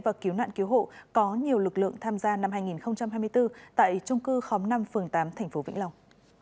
và cứu nạn cứu hộ có nhiều lực lượng tham gia năm hai nghìn hai mươi bốn tại trung cư khóm năm phường tám tp vĩnh long